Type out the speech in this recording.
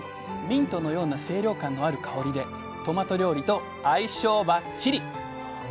ミントのような清涼感のある香りでトマト料理と相性バッチリ！